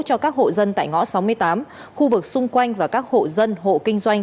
cho các hộ dân tại ngõ sáu mươi tám khu vực xung quanh và các hộ dân hộ kinh doanh